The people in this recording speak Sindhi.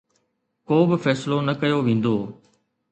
ڪو به فيصلو نه ڪيو ويندو